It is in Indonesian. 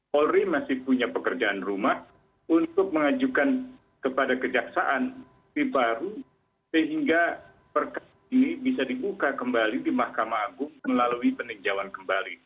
polri masih punya pekerjaan rumah untuk mengajukan kepada kejaksaan di paru sehingga perkara ini bisa dibuka kembali di mahkamah agung melalui peninjauan kembali